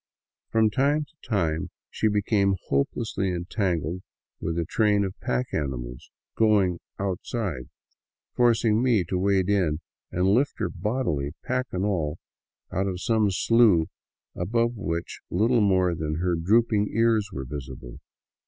From time to time she became hopelessly entangled with a train of pack animals " going outside," forcing me to wade in and lift her bodily, pack and all, out of some slough above which little more than her drooping ears were visible.